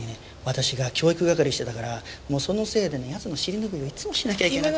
私が教育係してたからそのせいでね奴の尻拭いをいつもしなきゃいけない。